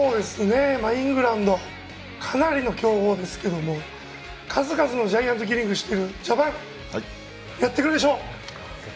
イングランドかなりの強豪ですけども数々のジャイアントキリングをしているジャパンはやってくれるでしょう。